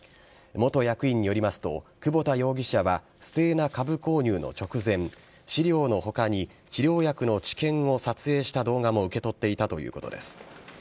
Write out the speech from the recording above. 元役員によりますと、久保田容疑者は不正な株購入の直前、資料のほかに治療薬の治験を撮影した動画も受け取っていたということです。